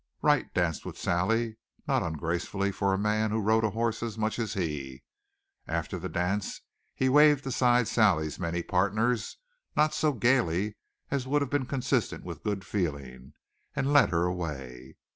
Wright danced with Sally, not ungracefully for a man who rode a horse as much as he. After the dance he waved aside Sally's many partners, not so gaily as would have been consistent with good feeling, and led her away.